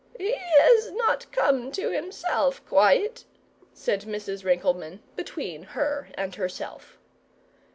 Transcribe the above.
"He has not come to himself quite," said Mrs. Rinkelmann, between her and herself.